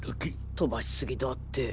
飛ばし過ぎだって。